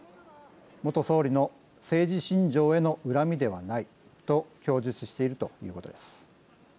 元総理の政治信条へのうらみではないと供述しているということです。